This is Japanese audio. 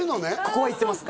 ここは行ってます